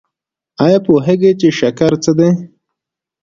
ایا پوهیږئ چې شکر څه دی؟